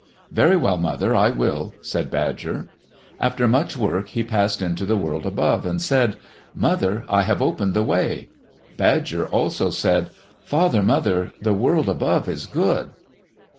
"Very well, mother, I will," said Badger. After much work he passed into the world above, and said, "Mother, I have opened the way." Badger also said, "Father mother, the world above is good."